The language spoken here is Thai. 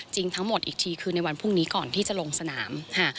ทั้งหมดอีกทีคือในวันพรุ่งนี้ก่อนที่จะลงสนาม